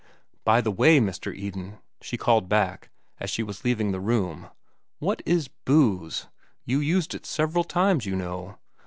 "By the way, Mr. Eden," she called back, as she was leaving the room. "What is booze? You used it several times, you know."